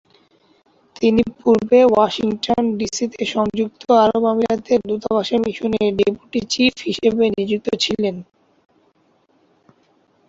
তিনি পূর্বে ওয়াশিংটন, ডিসি-তে সংযুক্ত আরব আমিরাতের দূতাবাসে মিশনের ডেপুটি চীফ হিসেবে নিযুক্ত ছিলেন।